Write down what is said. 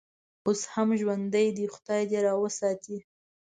اوس هم ژوندی دی، خدای دې راته وساتي.